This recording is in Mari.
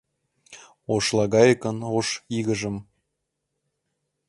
Ошлагайыкын ош игыжым